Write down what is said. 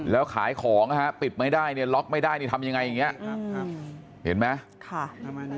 แล้วขายของปิดไม่ได้ล็อคไม่ได้ทำยังไงอย่างนี้เห็นไหม